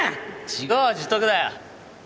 自業自得だよ。